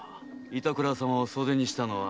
板倉様を袖にしたのは。